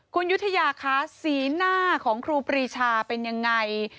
คุณยุธยาคะสีหน้าของครูปรีชาเป็นยังไง